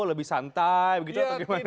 lebih santai begitu atau gimana